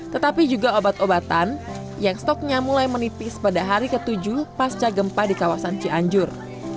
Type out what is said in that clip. tetapi juga obat obatan yang stoknya mulai menipis pada hari ke tujuh pasca gempa di kawasan cianjur